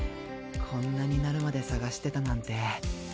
こんなになるまで探してたなんて。